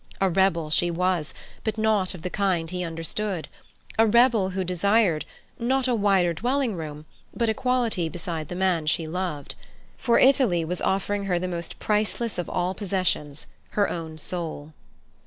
A rebel she was, but not of the kind he understood—a rebel who desired, not a wider dwelling room, but equality beside the man she loved. For Italy was offering her the most priceless of all possessions—her own soul.